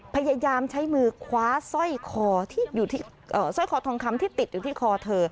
พยายามใช้มือคว้าสร้อยคอทองคำที่ติดอยู่ที่คอเธอ